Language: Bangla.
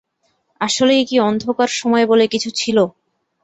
আসলেই কি অন্ধকার সময় বলে কিছু ছিল?